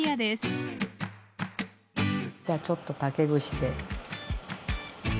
じゃあちょっと竹串で。